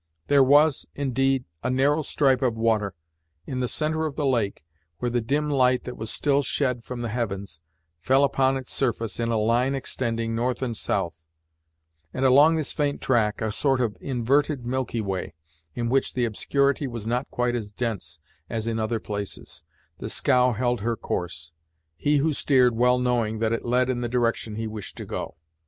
There was, indeed, a narrow stripe of water, in the centre of the lake where the dim light that was still shed from the heavens, fell upon its surface in a line extending north and south; and along this faint track, a sort of inverted milky way, in which the obscurity was not quite as dense as in other places, the scow held her course, he who steered well knowing that it led in the direction he wished to go.